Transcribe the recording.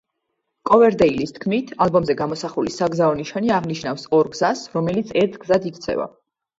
კოვერდეილის თქმით, ალბომზე გამოსახული საგზაო ნიშანი აღნიშნავს ორ გზას, რომელიც ერთ გზად იქცევა.